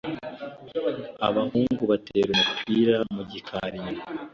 Abahungu batera umupira mu gikari inyuma.